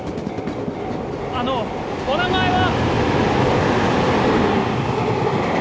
あのお名前は！